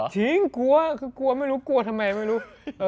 จริงกลัวไม่รู้ทำไมไม่รู้